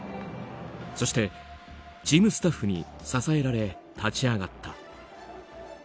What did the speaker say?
そしてチームスタッフに支えられ立ち上がった。